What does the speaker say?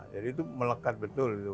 jadi itu melekat betul